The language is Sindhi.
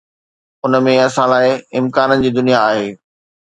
ان ۾ اسان لاءِ امڪانن جي دنيا آهي.